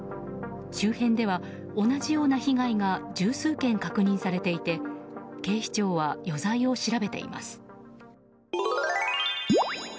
周辺では同じような被害が十数件、確認されていて警視庁は余罪を調べています。